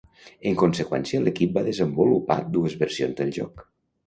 En conseqüència, l'equip va desenvolupar dues versions del joc.